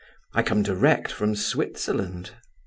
I am come direct from Switzerland."